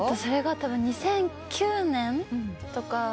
たぶん２００９年とか。